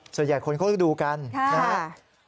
ส่วนใหญ่คนเขาดูกันนะฮะ